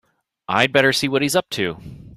I'd better see what he's up to.